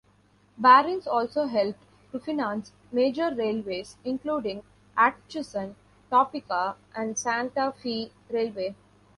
Barings also helped to finance major railways including Atchison, Topeka and Santa Fe Railway.